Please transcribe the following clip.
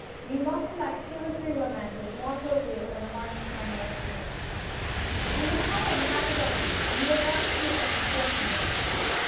You must select two or three romances more appropriate than the one you sang yesterday." "We will try over a half dozen, and you will have two of them before Monday."